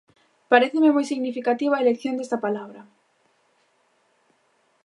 Paréceme moi significativa a elección desta palabra.